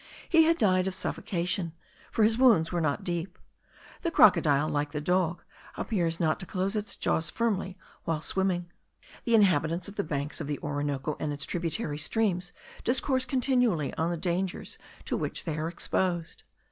He had died of suffocation, for his wounds were not deep. The crocodile, like the dog, appears not to close its jaws firmly while swimming. The inhabitants of the banks of the Orinoco and its tributary streams discourse continually on the dangers to which they are exposed.